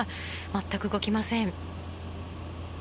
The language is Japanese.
全く動きません。